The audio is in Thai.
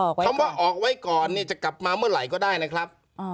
คำว่าออกไว้ก่อนเนี่ยจะกลับมาเมื่อไหร่ก็ได้นะครับ